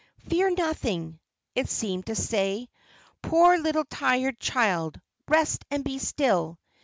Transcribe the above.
"Fear nothing," it seemed to say, "poor little tired child, rest and be still."